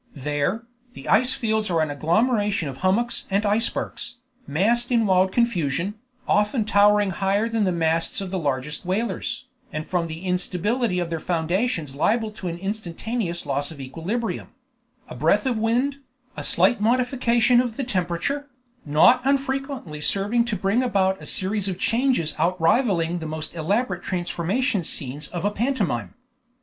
There, the ice fields are an agglomeration of hummocks and icebergs, massed in wild confusion, often towering higher than the masts of the largest whalers, and from the instability of their foundations liable to an instantaneous loss of equilibrium; a breath of wind, a slight modification of the temperature, not unfrequently serving to bring about a series of changes outrivaling the most elaborate transformation scenes of a pantomime.